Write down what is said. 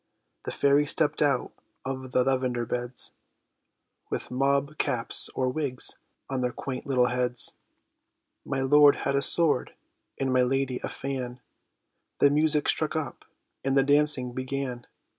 The fairies stepped out of the lavender beds, With mob caps, or wigs, on their quaint little heads; My lord had a sword and my lady a fan; The music struck up and the dancing began.